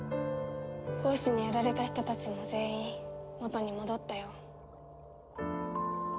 胞子にやられた人たちも全員元に戻ったよ。